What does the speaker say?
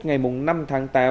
ngày năm tháng tám